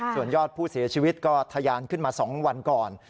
ส่วนยอดผู้เสียชีวิตก็ทะยานขึ้นมา๒วันก่อน